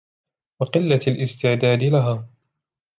وَقِلَّةِ الِاسْتِعْدَادِ لَهَا